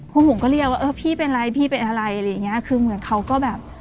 ผมก็เรียกว่าเออพี่เป็นไรพี่เป็นอะไรอะไรอย่างเงี้ยคือเหมือนเขาก็แบบ